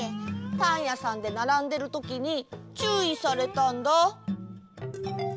パンやさんでならんでるときにちゅういされたんだ。